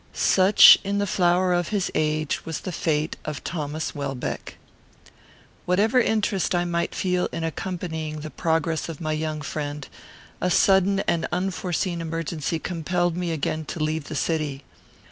Such, in the flower of his age, was the fate of Thomas Welbeck. Whatever interest I might feel in accompanying the progress of my young friend, a sudden and unforeseen emergency compelled me again to leave the city.